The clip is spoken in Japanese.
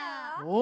お！